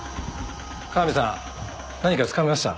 加賀美さん何かつかめました？